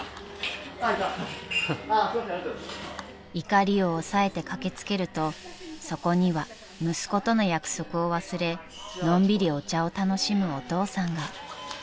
［怒りを抑えて駆け付けるとそこには息子との約束を忘れのんびりお茶を楽しむお父さんが］